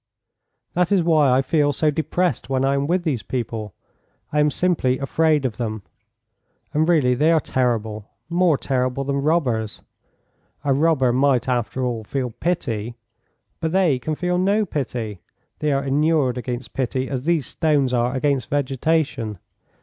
That is why I feel so depressed when I am with these people. I am simply afraid of them, and really they are terrible, more terrible than robbers. A robber might, after all, feel pity, but they can feel no pity, they are inured against pity as these stones are against vegetation.